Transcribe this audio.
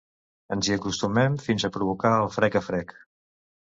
Ens hi acostem fins a provocar el frec a frec.